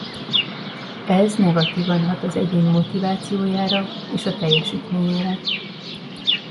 Ez negatívan hat az egyén motivációjára és a teljesítményére.